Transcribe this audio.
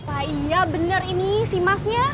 ah iya bener ini si masnya